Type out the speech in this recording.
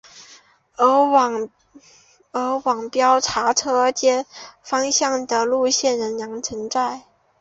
而往标茶车站方向的路线仍然存在。